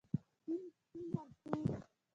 شین سپین او سور.